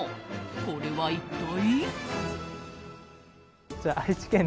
これは一体。